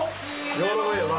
やわらかいよね。